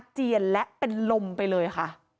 เจียนและเป็นลมไปเลยค่ะ